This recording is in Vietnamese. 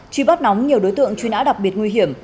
truy bắt nóng nhiều đối tượng truy nã đặc biệt nguy hiểm